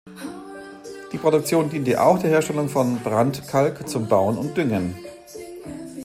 Die Produktion diente auch der Herstellung von Branntkalk zum Bauen und Düngen.